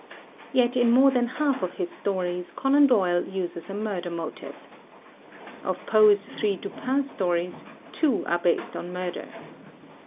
Yet in more than half of his stories, Conan Doyle uses a murder motive. Of Poe's three Dupin stories, two are based on murder.